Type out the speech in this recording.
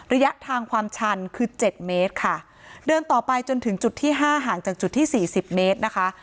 ระยะทางความชันคือเจ็ดเมตรค่ะเดินต่อไปจนถึงจุดที่ห้าห่างจากจุดที่สี่สิบเมตรนะคะ